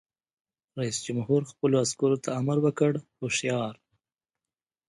رئیس جمهور خپلو عسکرو ته امر وکړ؛ هوښیار!